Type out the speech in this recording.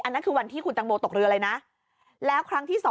นั่นคือวันที่คุณตังโมตกเรือเลยนะแล้วครั้งที่๒